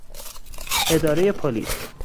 ادارهی پلیس